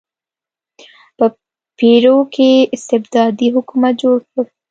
په پیرو کې استبدادي حکومت جوړ کړ.